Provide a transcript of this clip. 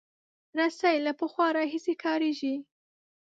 رسۍ له پخوا راهیسې کارېږي.